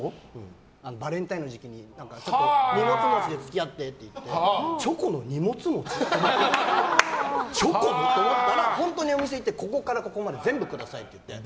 バレンタインの時期に荷物持ちで付き合ってって言ってチョコの荷物持ち？って思ったら本当にお店行ってここからここまで全部くださいって言って。